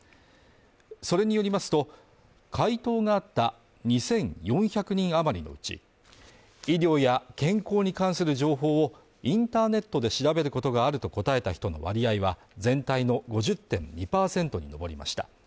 それによりますと、回答があった２４００人余りのうち、医療や健康に関する情報をインターネットで調べることがあると答えた人の割合は全体の５０．２％に上りました。